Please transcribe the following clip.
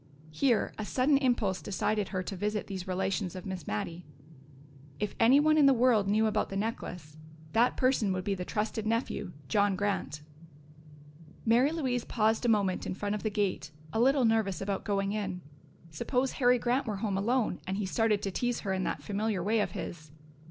Here a sudden impulse decided her to visit these relations of Miss Mattie. If anyone in the world knew about the necklace, that person would be the trusted nephew, John Grant. Mary Louise paused a moment in front of the gate, a little nervous about going in. Suppose Harry Grant were home alone and he started to tease her in that familiar way of his!